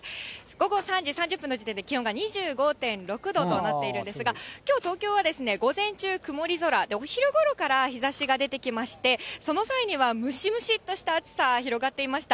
午後３時３０分の時点で気温が２５．６度となっているんですが、きょう、東京は午前中、曇り空、お昼ごろから日ざしが出てきまして、その際にはムシムシっとした暑さ広がっていました。